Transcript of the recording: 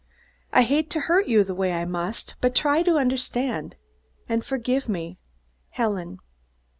I hate to hurt you the way I must, but try to understand and forgive me. "Helen."